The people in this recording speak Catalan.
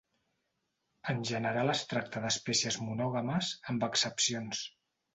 En general es tracta d'espècies monògames, amb excepcions.